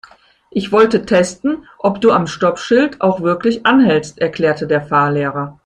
Ich wollte testen, ob du am Stoppschild auch wirklich anhältst, erklärte der Fahrlehrer.